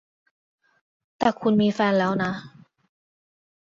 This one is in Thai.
แต่คุณมีแฟนแล้วนะ